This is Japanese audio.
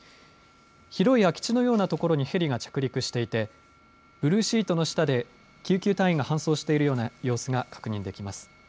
広い空き地のようなところにヘリが着陸していてブルーシートの下で救急隊員が搬送しているような様子が確認できます。